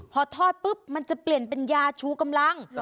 พอทอดปุ๊บมันจะเปลี่ยนเป็นยาชูกำลัง